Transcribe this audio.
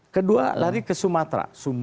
kedua lari ke sumatera